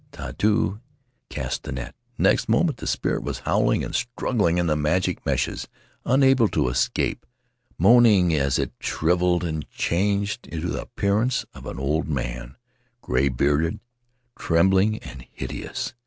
Tautu cast the net; next moment the spirit was howling and struggling in the magic meshes, unable to escape, moaning as it shriveled and changed to the appearance of an old man, gray Faery Lands of the South Seas bearded, trembling, and hideous.